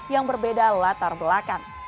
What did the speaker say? yang berbeda latar belakang